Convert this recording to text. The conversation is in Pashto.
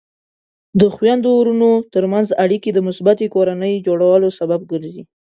د خویندو ورونو ترمنځ اړیکې د مثبتې کورنۍ جوړولو سبب ګرځي.